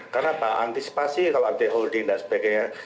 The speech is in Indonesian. karena apa antisipasi kalau ada holding dan sebagainya